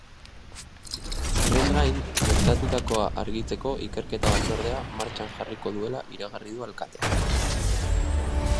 Horrez gain, gertatutakoa argitzeko ikerketa batzordea martxan jarriko duela iragarri du alkateak.